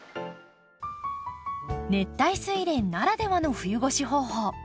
熱帯スイレンならではの冬越し方法。